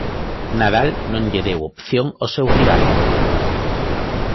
Nadal non lle deu opción ao seu rival.